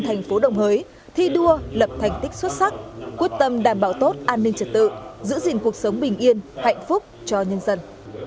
thành phố đồng hới thi đua lập thành tích xuất sắc quyết tâm đảm bảo tốt an ninh trật tự giữ gìn cuộc sống bình yên hạnh phúc cho nhân dân